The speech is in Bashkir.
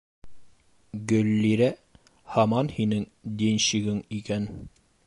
Гөллирә һаман һинең денщигың икән.